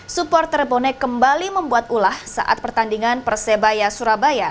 supporter bonek kembali membuat ulah saat pertandingan persebaya surabaya